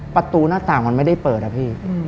ประตูหน้าต่างมันไม่ได้เปิดอะพี่